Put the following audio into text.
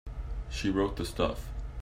She wrote the stuff.